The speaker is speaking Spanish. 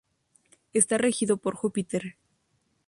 Está regido por Júpiter.